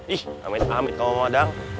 ih amit amit kamu mah dang